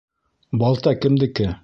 Балта кемдеке?